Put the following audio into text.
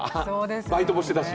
バイトもしてたし。